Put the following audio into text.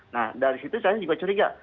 nah dari situ saya juga curiga